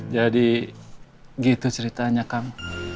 jadi gitu ceritanya kamu